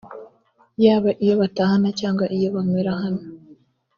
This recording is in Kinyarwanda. yaba iyo batahana cyangwa iyo banywera hano